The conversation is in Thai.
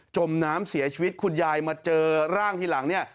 มน้ำเสียชีวิตคุณยายมาเจอร่างทีหลังเนี่ย